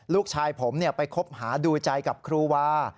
ลูกชายผมไปคบหาดูใจกับครูวา